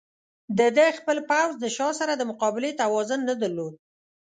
د ده خپل پوځ د شاه سره د مقابلې توان نه درلود.